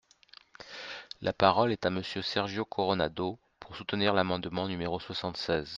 La parole est à Monsieur Sergio Coronado, pour soutenir l’amendement numéro soixante-seize.